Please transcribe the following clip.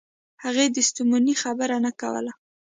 هغه د ستومنۍ خبره نه کوله.